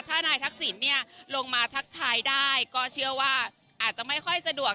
ถ้านายทักษิณลงมาทักทายได้ก็เชื่อว่าอาจจะไม่ค่อยสะดวก